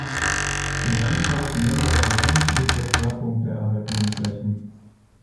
Im Landkreis Nürnberger Land liegt der Schwerpunkt der erhaltenen Flächen.